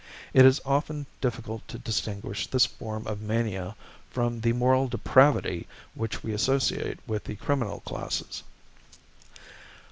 It is often difficult to distinguish this form of mania from the moral depravity which we associate with the criminal classes.